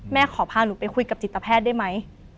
ขอพาหนูไปคุยกับจิตแพทย์ได้ไหม